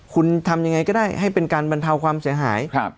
คุณทำยังไงก็ได้ให้เป็นการบรรเทาความเสียหาย